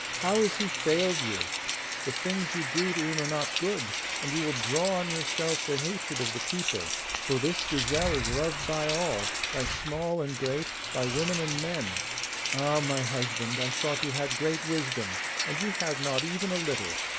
How has he failed you? The things you do to him are not good, and you will draw on yourself the hatred of the people. For this gazelle is loved by all, by small and great, by women and men. Ah, my husband! I thought you had great wisdom, and you have not even a little!